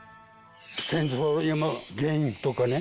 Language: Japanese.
戦争の原因とかね。